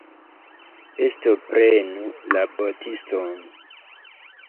Pesto prenu la botiston!